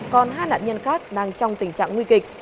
còn hai nạn nhân khác đang trong tình trạng nguy kịch